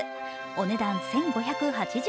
お値段１５８０円。